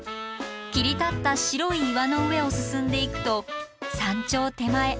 切り立った白い岩の上を進んでいくと山頂手前